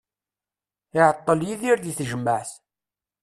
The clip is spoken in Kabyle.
Iɛeṭṭel Yidir di tejmaɛt.